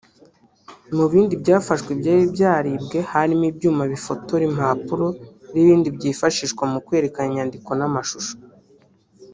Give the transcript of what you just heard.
Mu bindi byafashwe byari byaribwe harimo ibyuma bifotora impapuro n’ibindi byifashishwa mu kwerekana inyandiko n’amashusho